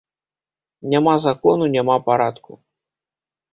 Няма закону, няма парадку.